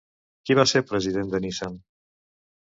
Qui va ser president de Nissan?